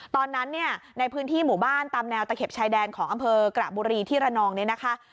ตอนนั้นเนี่ยในพื้นที่หมู่บ้านตามแนวตะเข็บชายแดนของอำเภอกระบุรีที่ระนองเนี่ยนะคะ